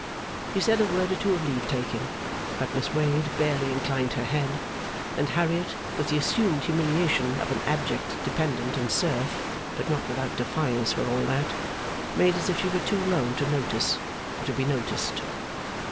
He said a word or two of leave taking; but Miss Wade barely inclined her head, and Harriet, with the assumed humiliation of an abject dependent and serf (but not without defiance for all that), made as if she were too low to notice or to be noticed.